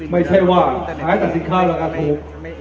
ไม่ใช่ว่าหาให้ตัดสินค้าแล้วการปลูก